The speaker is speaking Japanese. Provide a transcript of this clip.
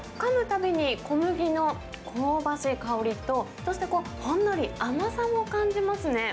たびに小麦の香ばしい香りと、そしてこう、ほんのり甘さも感じますね。